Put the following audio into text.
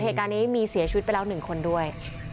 เหตุการณ์นี้มีเสียชีวิตไปแล้ว๑คนด้วย